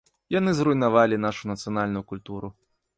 Яны зруйнавалі нашу нацыянальную культуру.